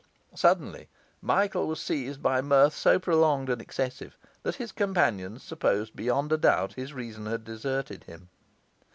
Suddenly Michael was seized by mirth so prolonged and excessive that his companions supposed beyond a doubt his reason had deserted him.